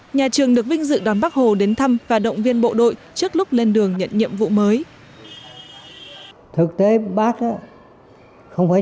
nhà trường được vinh dự đón bắc hồ đến thăm và động viên bộ đội trước lúc lên đường nhận nhiệm vụ mới